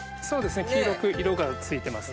黄色く色がついてますね。